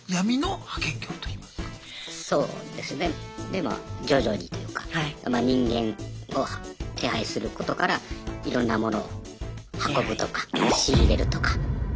でまあ徐々にというか人間を手配することからいろんなモノを運ぶとか仕入れるとか。